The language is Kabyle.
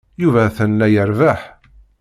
Yuba atan la irebbeḥ.